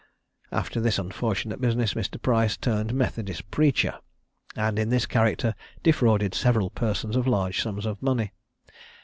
After this unfortunate business, Mr. Price turned methodist preacher, and in this character defrauded several persons of large sums of money.